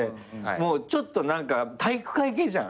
もうちょっと何か体育会系じゃん。